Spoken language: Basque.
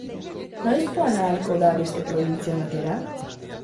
Noiz joan ahalko da beste probintzia batera?